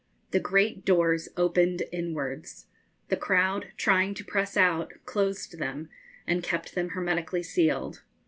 The great doors opened inwards; the crowd, trying to press out, closed them, and kept them hermetically sealed.